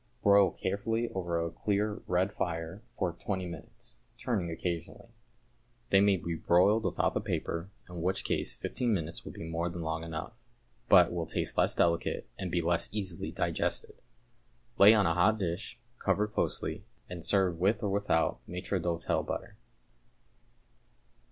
Broil carefully over a clear red fire for twenty minutes, turning occasionally. They may be broiled without the paper, in which case fifteen minutes will be more than long enough, but will taste less delicate and be less easily digested. Lay on a hot dish, cover closely, and serve with or without maître d'hôtel butter.